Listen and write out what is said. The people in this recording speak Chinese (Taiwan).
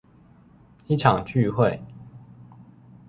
一場聚會